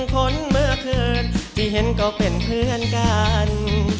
คนเมื่อคืนที่เห็นก็เป็นเพื่อนกัน